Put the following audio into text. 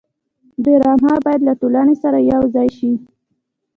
ډرامه باید له ټولنې سره یوځای شي